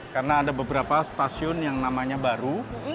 karena ada beberapa stasiun yang namanya baru